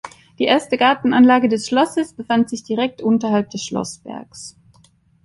Die erste Gartenanlage des Schlosses befand sich direkt unterhalb des Schlossbergs.